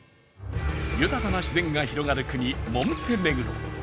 豊かな自然が広がる国、モンテネグロ。